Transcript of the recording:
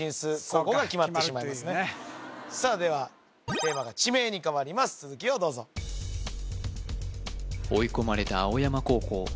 そこが決まってしまいますねさあではテーマが地名に変わります続きをどうぞ追い込まれた青山高校